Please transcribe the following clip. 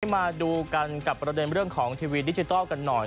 มาดูกันกับประเด็นเรื่องของทีวีดิจิทัลกันหน่อย